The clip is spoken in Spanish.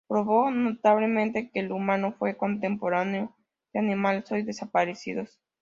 Probó notablemente que el humano fue contemporáneo de animales hoy desaparecidos.